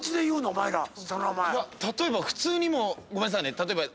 例えば普通にもうごめんなさいね。